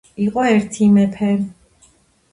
იყო ერთი მეფე